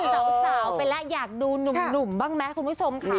สาวไปแล้วอยากดูหนุ่มบ้างไหมคุณผู้ชมค่ะ